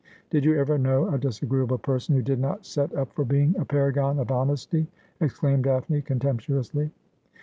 ' Did j ou ever know a disagreeable person who did not set up for being a paragon of honesty ?' exclaimed Daphne contemp tuously.